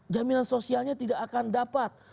jaminan sosialnya tidak akan dapat